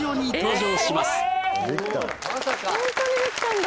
まさかホントにできたんだ